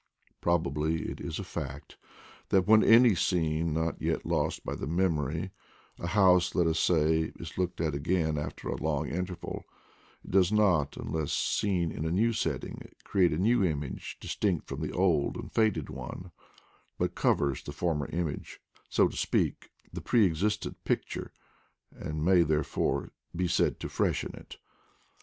Probably it is a fact that When any scene, not yet lost by the memory, a PEBFUME OF AN EVENING PBIMROSE 237 house, let us say, is looked at again after a long interval, it does not, unless seen in a new setting, create a new image distinct from the old and faded one, but covers the former image, so to speak, the preexistent picture, and may therefore be said to freshen it.